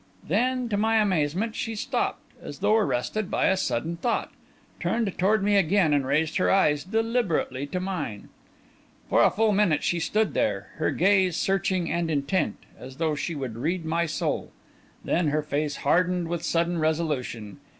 Then, to my amazement, she stopped, as though arrested by a sudden thought, turned toward me again, and raised her eyes deliberately to mine. For fully a minute she stood there, her gaze searching and intent, as though she would read my soul; then her face hardened with sudden resolution.